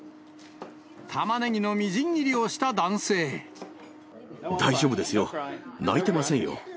タマネギのみじん切りをした大丈夫ですよ、泣いてませんよ。